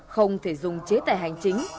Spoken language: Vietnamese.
không thể dùng chế tài hành chính